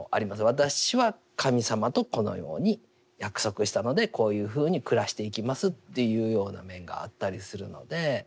私は神様とこのように約束したのでこういうふうに暮らしていきますというような面があったりするので。